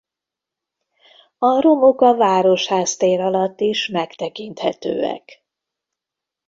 A romok a Városház tér alatt is megtekinthetőek.